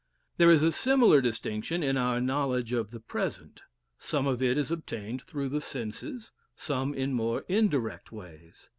There is a similar distinction in our knowledge of the present: some of it is obtained through the senses, some in more indirect ways.